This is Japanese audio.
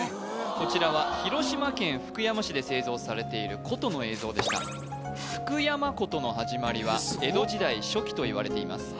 こちらは広島県福山市で製造されている琴の映像でした福山琴のはじまりは江戸時代初期といわれています